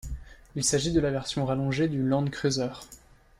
Il s'agit de la version rallongée du Land Cruiser.